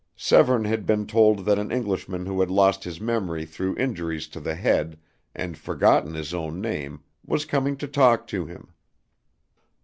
Severne had been told that an Englishman who had lost his memory through injuries to the head, and forgotten his own name, was coming to talk to him.